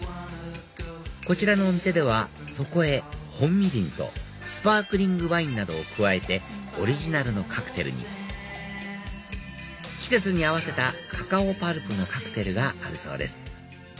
こちらのお店ではそこへ本みりんとスパークリングワインなどを加えてオリジナルのカクテルに季節に合わせたカカオパルプのカクテルがあるそうです